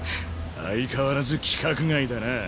相変わらず規格外だなぁ。